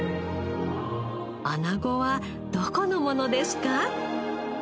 アナゴはどこのものですか？